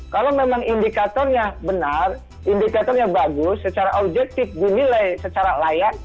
kalau memang indikatornya benar indikatornya bagus secara objektif dinilai secara layak